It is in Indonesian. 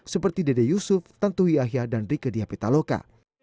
seperti dede yusuf tantuhi ahya dan rike diapitaloka